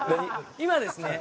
今ですね。